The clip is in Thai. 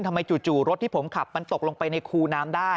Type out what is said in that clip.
จู่รถที่ผมขับมันตกลงไปในคูน้ำได้